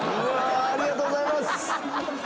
ありがとうございます！